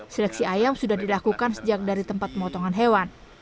seleksi ayam sudah dilakukan sejak dari tempat pemotongan hewan